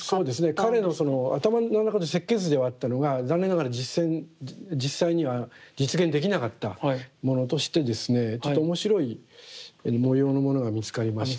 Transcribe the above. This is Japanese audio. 彼の頭の中で設計図ではあったのが残念ながら実際には実現できなかったものとしてですねちょっと面白い模様のものが見つかりました。